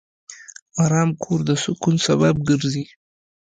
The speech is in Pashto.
آرام کور د سکون سبب ګرځي.